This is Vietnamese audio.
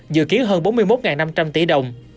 dự kiến hơn bốn mươi một năm trăm linh tỷ đồng